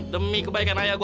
demi kebaikan ayah gua